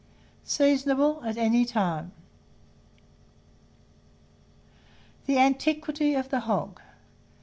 Seasonable at any time. THE ANTIQUITY OF THE HOG.